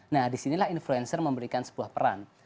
nah disinilah influencer memberikan sebuah peran